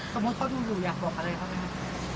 สมมติเขาดูหนูอยากบอกอะไรเขาไหม